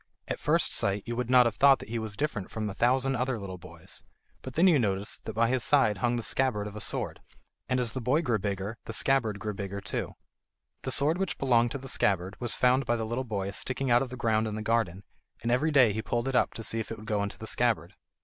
At first sight you would not have thought that he was different from a thousand other little boys; but then you noticed that by his side hung the scabbard of a sword, and as the boy grew bigger the scabbard grew bigger too. The sword which belonged to the scabbard was found by the little boy sticking out of the ground in the garden, and every day he pulled it up to see if it would go into the scabbard.